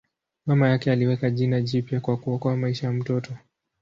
Mama yake aliweka jina jipya kwa kuokoa maisha ya mtoto.